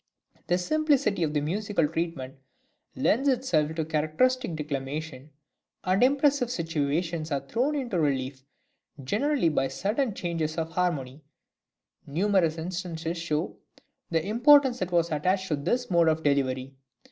The simplicity of the musical treatment lends itself to characteristic declamation, and impressive situations are thrown into relief generally by sudden changes of harmony; numerous instances show the importance that was attached to this mode of delivery.